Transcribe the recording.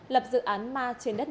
lập dự án ma trên đất nông dân